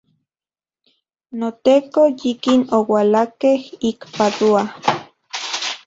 NoTeko, yikin oualakej ik Padua.